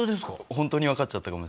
ホントにわかっちゃったかも。